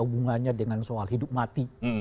hubungannya dengan soal hidup mati